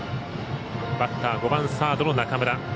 バッター５番サードの中村。